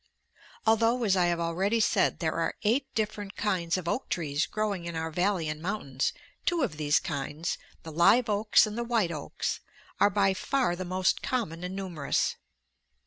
Although, as I have already said, there are eight different kinds of oak trees growing in our valley and mountains, two of these kinds, the live oaks and the white oaks, are by far the most common and numerous.